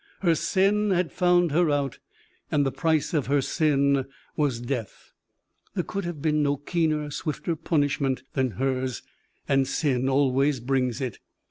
Her sin had found her out, and the price of her sin was death. There could have been no keener, swifter punishment than hers, and sin always brings it.